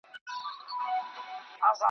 چي ډېوې یې بلولې نن له ملکه تښتېدلی .